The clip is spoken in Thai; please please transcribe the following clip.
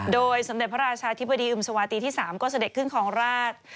โดยสมเด็จพระราชาธิบดีอึมสวาตีที่๓ก็เสด็จขึ้นครองราช